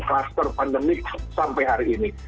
kluster pandemik sampai hari ini